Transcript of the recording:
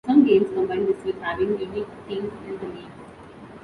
Some games combine this with having unique teams in the leagues.